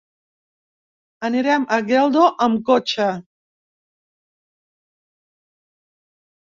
Anirem a Geldo amb cotxe.